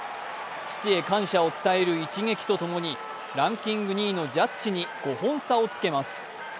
父へ感謝を伝える一撃と共にランキング２位のジャッジに５本差をつけます。